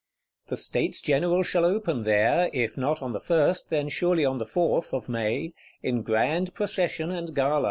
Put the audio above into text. The States General shall open there, if not on the First, then surely on the Fourth of May, in grand procession and gala.